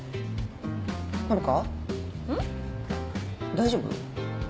大丈夫？